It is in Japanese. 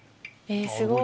すごい！